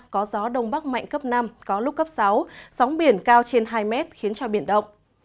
có gió đông bắc mạnh cấp năm có lúc cấp sáu sóng biển cao trên hai mét khiến cho biển động